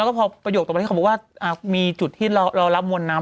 แล้วก็พอประโยคต่อไปมีจุดที่เราระบมวลน้ำ